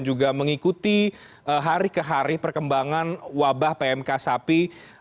juga mengikuti hari ke hari perkembangan wabah pmk sapi